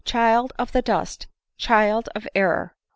Child erf the dust ! child of error